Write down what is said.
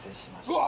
うわ！